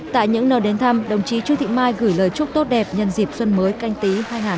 tại những nơi đến thăm đồng chí trương thị mai gửi lời chúc tốt đẹp nhân dịp xuân mới canh tí hai nghìn hai mươi